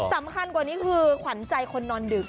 สำคัญกว่านี้คือขวัญใจคนนอนดึก